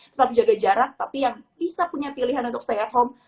tetap jaga jarak tapi yang bisa punya pilihan untuk stay at home